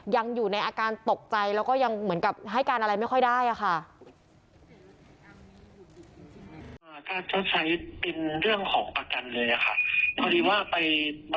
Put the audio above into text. ยังอยู่ในอาการตกใจแล้วก็ยังเหมือนกับให้การอะไรไม่ค่อยได้ค่ะ